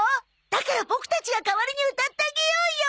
だからボクたちが代わりに歌ってあげようよ！